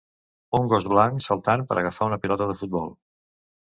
Un gos blanc saltant per agafar una pilota de futbol.